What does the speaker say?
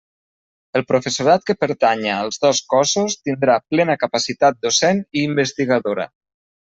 El professorat que pertanya als dos cossos tindrà plena capacitat docent i investigadora.